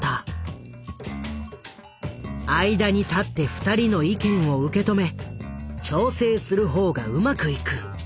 間に立って２人の意見を受け止め調整する方がうまくいく。